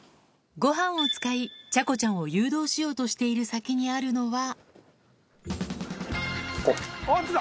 ごはんを使い、ちゃこちゃんを誘導しようとしている先にあるのは。